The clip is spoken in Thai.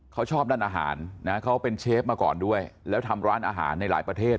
เขาชอบด้านอาหารนะเขาเป็นเชฟมาก่อนด้วยแล้วทำร้านอาหารในหลายประเทศ